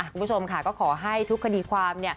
คุณผู้ชมค่ะก็ขอให้ทุกคดีความ